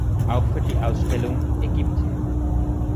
Auch für die Ausstellung „Ägypten.